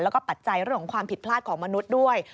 แล้วก็ปัจจัยเรื่องของความผิดพลาดของมนุษย์ด้วย